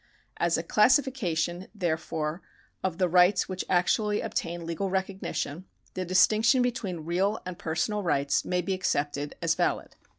As a classification, therefore, of the rights wliich actually obtain legal recognition, the distinction between real and personal rights may be accepted as valid.